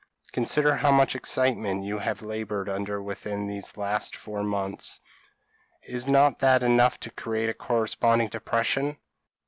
Consider how much excitement you have laboured under within these last four months. Is not that enough to create a corresponding depression?